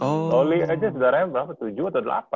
iya ibu saya aja saudaranya berapa